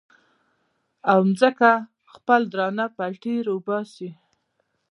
او ځمکه خپل درانه پېټي را وباسي